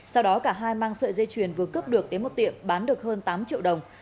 sau đó cả hai mang sợi dây chuyền vừa cướp được đến một tiệm bán được hơn tám triệu đồng